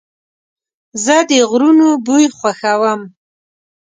زه د غرونو بوی خوښوم.